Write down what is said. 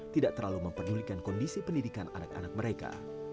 tidak terlalu memperdulikan kondisi pendidikan anak anak mereka